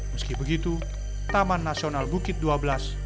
meski begitu taman nasional bukit dua belas